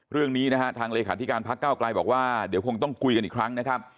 เรื่องนี้นะฮะทางเลขาธิการพักเก้าไกลบอกว่าเดี๋ยวคงต้องคุยกันอีกครั้งนะครับ